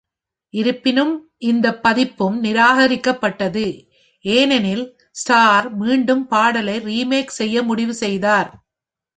இருப்பினும், இந்த பதிப்பும் நிராகரிக்கப்பட்டது, ஏனெனில் ஸ்டார் மீண்டும் பாடலை ரீமேக் செய்ய முடிவு செய்தார்.